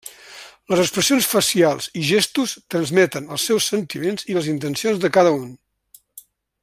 Les expressions facials i gestos transmeten els seus sentiments i les intencions de cada un.